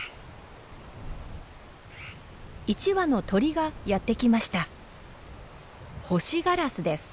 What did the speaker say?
１羽の鳥がやって来ました。